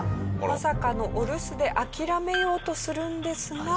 まさかのお留守で諦めようとするんですが。